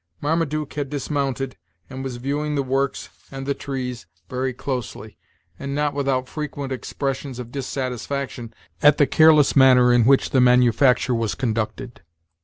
Marmaduke had dismounted, and was viewing the works and the trees very closely, and not without frequent expressions of dissatisfaction at the careless manner in which the manufacture was conducted.